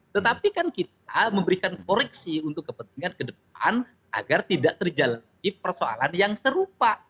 tetapi kan kita memberikan koreksi untuk kepentingan ke depan agar tidak terjadi persoalan yang serupa